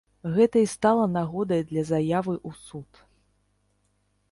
Гэта і стала нагодай для заявы ў суд.